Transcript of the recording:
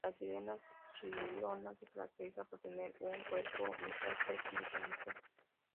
La sirena chilota se caracteriza por tener un cuerpo mitad pez y mitad mujer.